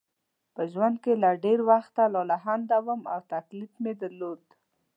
په ژوند کې له ډېر وخته لالهانده وم او تکلیف مې درلود.